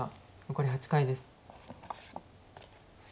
残り８回です。